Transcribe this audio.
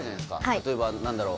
例えば何だろう